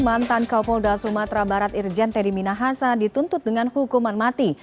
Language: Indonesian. mantan kapolda sumatera barat irjen teddy minahasa dituntut dengan hukuman mati